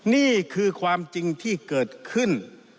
นี่คือความจริงที่เกิดขึ้น